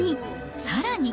さらに。